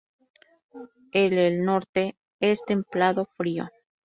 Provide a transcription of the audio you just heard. El el norte es templado-frío.